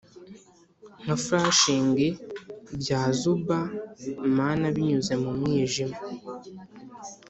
nka flashing bya zuba-mana binyuze mu mwijima